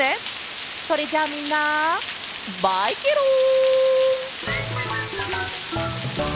それじゃみんなバイケロン！